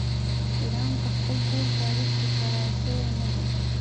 ایران په خپل ټول تاریخ کې کرار شوی نه دی.